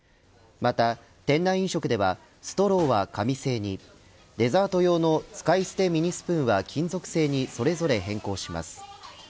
また店内飲食ではストローは紙製にデザート用の使い捨てミニスプーンは金属製にそれぞれ変更します。